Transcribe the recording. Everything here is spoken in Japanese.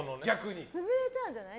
潰れちゃうんじゃない？